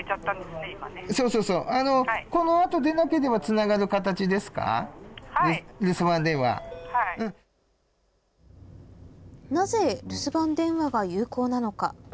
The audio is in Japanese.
なぜ留守番電話が有効なのか。